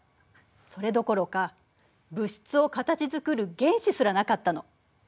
それどころか物質を形づくる原子すらなかったの。